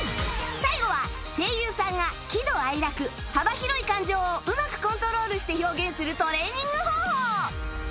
最後は声優さんが喜怒哀楽幅広い感情をうまくコントロールして表現するトレーニング方法